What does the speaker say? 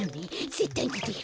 ぜったいにでる。